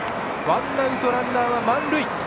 ワンアウトランナー満塁！